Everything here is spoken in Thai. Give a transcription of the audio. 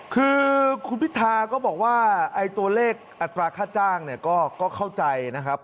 คือคุณพิธาก็บอกว่าตัวเลขอัตราค่าจ้างเนี่ยก็เข้าใจนะครับ